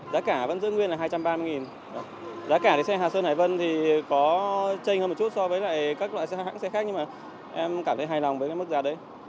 giá cả vẫn giữ nguyên là hai trăm ba mươi giá cả thì xe hà sơn hải vân thì có chênh hơn một chút so với các loại xe khác nhưng mà em cảm thấy hài lòng với mức giá đấy